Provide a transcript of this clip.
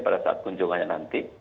pada saat kunjungannya nanti